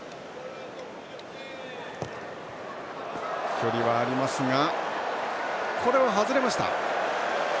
距離はありますがこれは外れました。